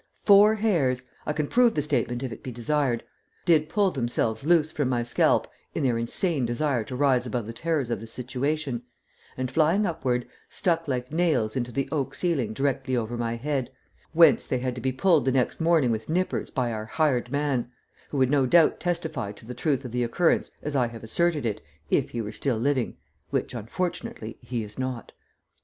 Four hairs I can prove the statement if it be desired did pull themselves loose from my scalp in their insane desire to rise above the terrors of the situation, and, flying upward, stuck like nails into the oak ceiling directly over my head, whence they had to be pulled the next morning with nippers by our hired man, who would no doubt testify to the truth of the occurrence as I have asserted it if he were still living, which, unfortunately, he is not.